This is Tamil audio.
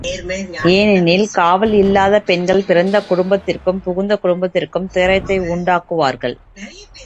ஏனெனில் காவல் இல்லாத பெண்கள் பிறந்த குடும்பத்திற்கும் புகுந்த குடும்பத்திற்கும் துயரத்தை உண்டாக்குவார்கள்.